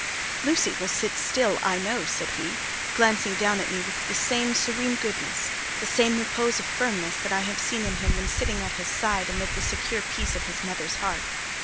"Lucy will sit still, I know," said he, glancing down at me with the same serene goodness, the same repose of firmness that I have seen in him when sitting at his side amid the secure peace of his mother's hearth.